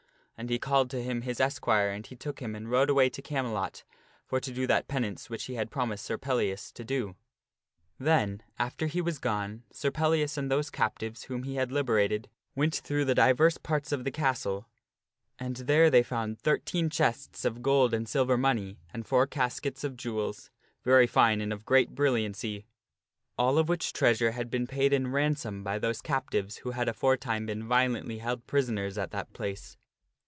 And he called to him his esquire and he took him and rode away to Camelot for to do that penance which he had promised Sir Pellias to do. Then, after he was gone, Sir Pellias and those captives whom he had liberated, went through the divers parts of the castle. And there they found thirteen chests of gold and silver money and four caskets of jewels very fine and of great brilliancy all of which treasure had been paid in ransom by those captives who had aforetime been violently held prisoners at that place.